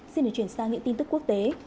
xin được chuyển sang những tin tức quốc tế